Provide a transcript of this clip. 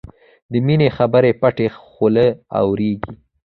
د مینې خبرې پټه خوله اورېږي